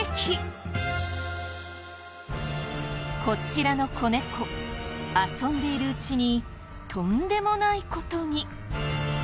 こちらの子猫遊んでいるうちにとんでもない事に。